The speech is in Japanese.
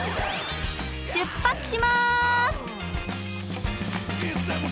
出発します！